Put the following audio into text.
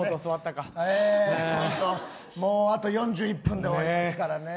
もうあと４１分で終わりですからね。